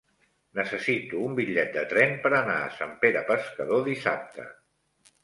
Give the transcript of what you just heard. Necessito un bitllet de tren per anar a Sant Pere Pescador dissabte.